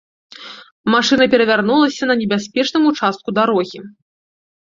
Машына перавярнулася на небяспечным участку дарогі.